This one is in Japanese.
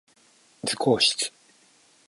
図工室